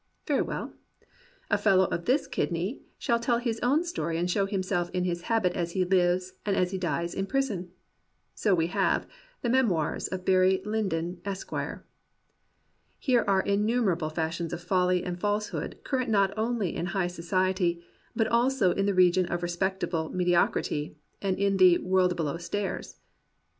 Very well, a fellow of this kidney shall tell his own story and show himself in his habit as he lives, and as he dies in prison. So we have The Memoirs of Barry Lyndon, Esq. Here are innumerable fashions of folly and falsehood current not only in high so ciety, but also in the region of respectable medi ocrity, and in the "world below stairs."